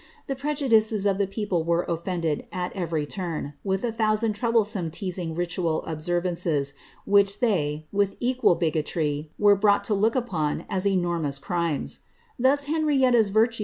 TiM prejudices of tlic people were offended, at every turn, with a ihoatui "^ troublesome teasing ritual obser>'ances, which they, with equal bigotiji were brought to look upon as enormous crimes ; Urns Henrietta's virtoa V.